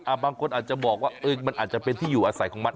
บางคนอาจจะบอกว่ามันอาจจะเป็นที่อยู่อาศัยของมัน